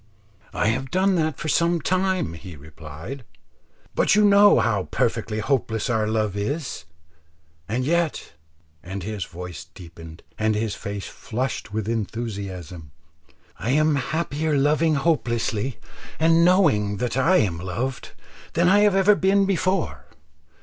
"I have done that for some time," he replied, "but you know how perfectly hopeless our love is; and yet," and his voice deepened and his face flushed with enthusiasm, "I am happier loving hopelessly and knowing that I am loved, than I have ever been before.